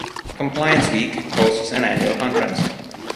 "Compliance Week" hosts an annual conference.